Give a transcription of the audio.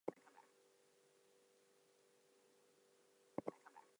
Sarah Siddons kept a portrait of Fox in her dressing room.